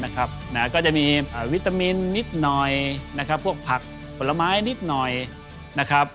ก็จะมีวิตามินนิดหน่อยนะครับพวกผักผลไม้นิดหน่อยนะครับ